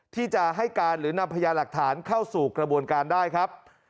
ที่จะให้การหรือนำพยาหลักฐานเข้าสู่กระบวนการได้ครับ